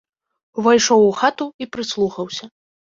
Увайшоў у хату і прыслухаўся.